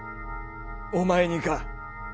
お前にか。